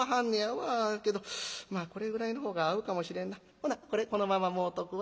ほなこれこのままもろとくわ」。